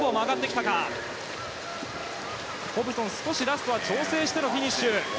ホブソン、ラストは少し調整してのフィニッシュ。